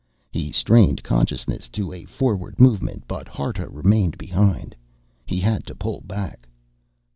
He strained consciousness to a forward movement but Harta remained behind. He had to pull back.